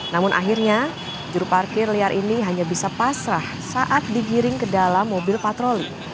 namun akhirnya juru parkir liar ini hanya bisa pasrah saat digiring ke dalam mobil patroli